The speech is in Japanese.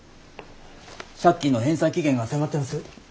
借金の返済期限が迫ってます。